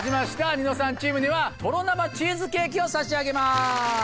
ニノさんチームにはとろ生チーズケーキを差し上げます。